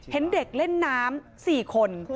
เห็นเด็กเล่นน้ำ๔คน